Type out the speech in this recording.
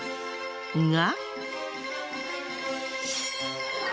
が。